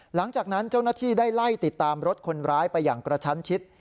หลังจากนั้นเจ้าหน้าที่ได้ไล่ติดตามรถคนร้ายไปอย่างกระชั้นชิด